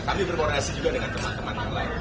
kami berkoordinasi juga dengan teman teman yang lain